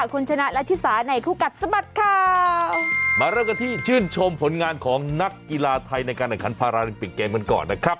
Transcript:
คุณชนะและชิสาในคู่กัดสะบัดข่าวมาเริ่มกันที่ชื่นชมผลงานของนักกีฬาไทยในการแข่งขันพาราลิมปิกเกมกันก่อนนะครับ